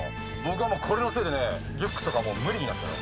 僕はこれのせいでリュックとかもう無理になったよ。